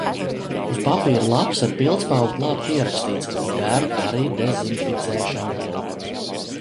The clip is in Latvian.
Uz papīra lapas ar pildspalvu klāt pierakstīts: "Der arī dezinficēšanai!"